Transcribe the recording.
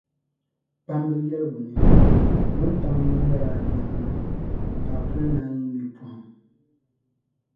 Kpamba yɛligu ni, wuntaŋa yi ŋmɛla a nyaaŋa, ka a puli naanyi ŋme pɔhim.